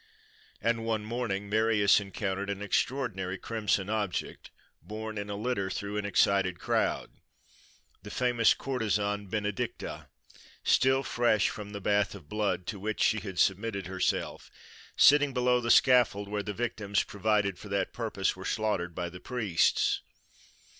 And one morning Marius encountered an extraordinary crimson object, borne in a litter through an excited crowd—the famous courtesan Benedicta, still fresh from the bath of blood, to which she had submitted herself, sitting below the scaffold where the victims provided for that purpose were slaughtered by the priests.